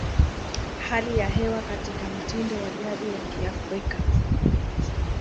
Hali ya hewa katika mtindo wa jadi ya Kiafrika